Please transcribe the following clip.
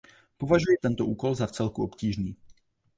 Považuji tento úkol za vcelku obtížný.